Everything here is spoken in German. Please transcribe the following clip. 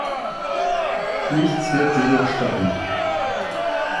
Nichts wird sie noch stoppen.